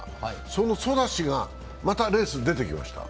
そのソダシがまたレースに出てきました。